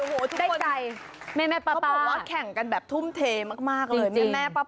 โอ้โฮทุกคนเพราะว่าแข่งกันแบบทุ่มเทมากเลยแม่ป๊า